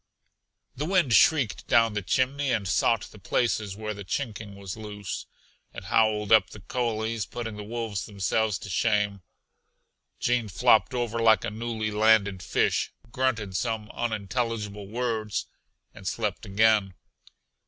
The wind shrieked down the chimney and sought the places where the chinking was loose. It howled up the coulees, putting the wolves themselves to shame. Gene flopped over like a newly landed fish, grunted some unintelligible words and slept again.